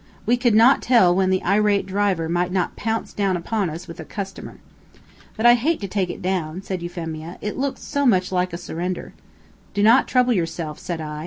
We could not tell when the irate driver might not pounce down upon us with a customer. "But I hate to take it down," said Euphemia; "it looks so much like a surrender." "Do not trouble yourself," said I.